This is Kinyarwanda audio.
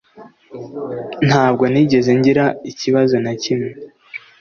Ntabwo nigeze ngira ikibazo na kimwe